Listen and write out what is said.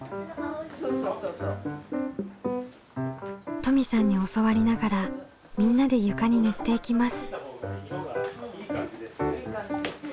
登美さんに教わりながらみんなで床に塗っていきます。